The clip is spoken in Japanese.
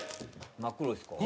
真っ黒ですか？